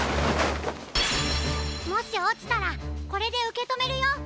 もしおちたらこれでうけとめるよ！